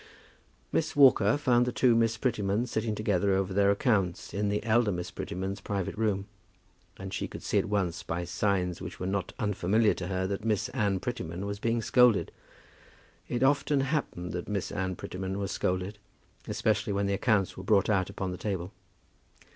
Miss Walker found the two Miss Prettymans sitting together over their accounts in the elder Miss Prettyman's private room. And she could see at once by signs which were not unfamiliar to her that Miss Anne Prettyman was being scolded. It often happened that Miss Anne Prettyman was scolded, especially when the accounts were brought out upon the table.